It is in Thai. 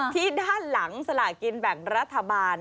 ที่ด้านหลังสลากินแบ่งรัฐบาล